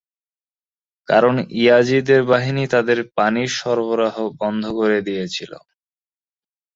কারণ ইয়াজিদের বাহিনী তাদের পানির সরবরাহ বন্ধ করে দিয়েছিলো।